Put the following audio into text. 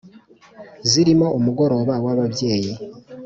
zirimo umugoroba w’ababyeyi